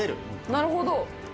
なるほど。